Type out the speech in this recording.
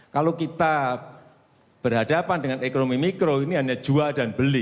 kalau kita berhadapan dengan ekonomi mikro ini hanya jual dan beli